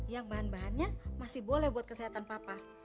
yang bahan bahannya masih boleh buat kesehatan papa